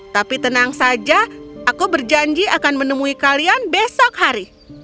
tapi tenang saja aku berjanji akan menemui kalian besok hari